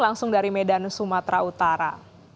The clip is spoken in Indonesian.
langsung dari medan sumatera utara